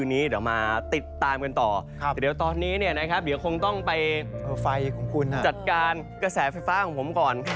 นี่ครับ